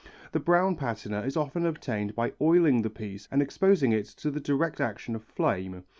The brown patina is often obtained by oiling the piece and exposing it to the direct action of flame.